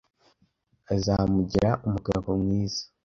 Azamugira umugabo mwiza.